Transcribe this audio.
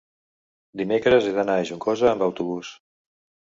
dimecres he d'anar a Juncosa amb autobús.